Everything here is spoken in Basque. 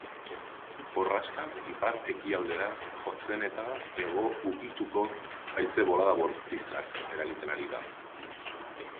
Borraska ipar-ekialdera jotzeneta hego ukituko haize-bolada bortitzak eragiten ari da.